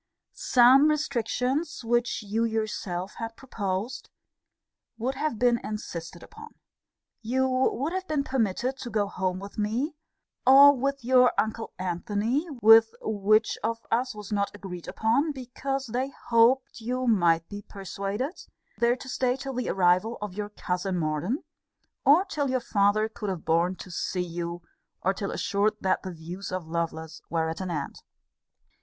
Some restrictions which you yourself had proposed, would have been insisted upon. You would have been permitted to go home with me, or with your uncle Antony, (with which of us was not agreed upon, because they hoped you might be persuaded,) there to stay till the arrival of your cousin Morden; or till your father could have borne to see you; or till assured that the views of Lovelace were at an end.